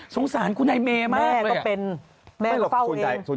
สงสารคุณให้เมมากเลยอ่ะแม่ก็เป็น